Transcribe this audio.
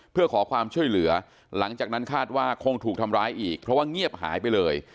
เพื่อขอความช่วยเหลือหลังจากนั้นคาดว่าคงถูกทำร้ายอีกเพราะว่าเงียบหายไปเลย